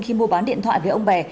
khi mua bán điện thoại với ông bè